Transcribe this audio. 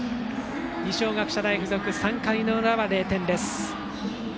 二松学舎大付属、３回裏は０点。